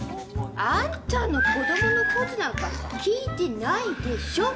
あっちゃんの子供の数なんか聞いてないでしょ。